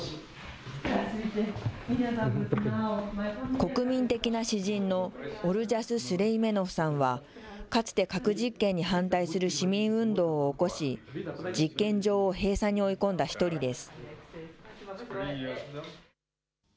国民的な詩人のオルジャス・スレイメノフさんは、かつて核実験に反対する市民運動を起こし、実験場を閉鎖に追い込んだ一人です。